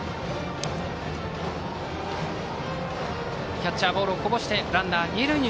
キャッチャーボールをこぼしてランナーは二塁へ。